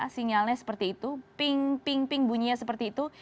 sinyalnya seperti itu ping ping bunyinya seperti itu